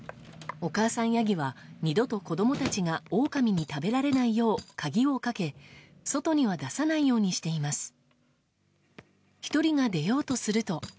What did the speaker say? お母さんヤギは二度と子供たちがオオカミに食べられないよう鍵をかけ外には出さないようにしています。